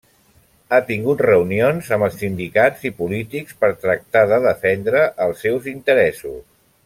Han tingut reunions amb sindicats i polítics per tractar de defendre els seus interessos.